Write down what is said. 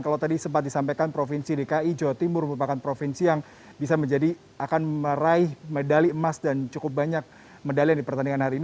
kalau tadi sempat disampaikan provinsi dki jawa timur merupakan provinsi yang bisa menjadi akan meraih medali emas dan cukup banyak medalian di pertandingan hari ini